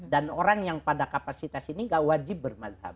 dan orang yang pada kapasitas ini tidak wajib bermazhab